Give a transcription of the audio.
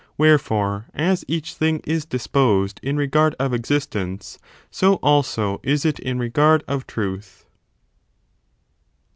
Wherefore, aa each thing is disposed in regard of existence, so, also, is it in regard of truth.